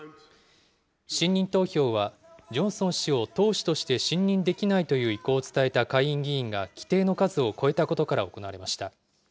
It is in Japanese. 信任投票はジョンソン氏を党首として信任できないという意向を伝えた下院議員が規定の数を超えたことから行われました。